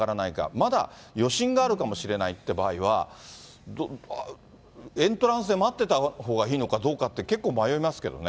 まだ余震があるかもしれないって場合は、エントランスで待ってたほうがいいのかどうかって、結構迷いますけどね。